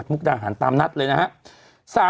กรมป้องกันแล้วก็บรรเทาสาธารณภัยนะคะ